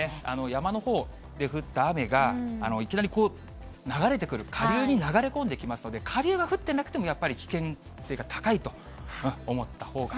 山のほうで降った雨が、いきなり流れてくる、下流に流れ込んできますので、下流が降っていなくても、やっぱり危険性が高いと思ったほうが。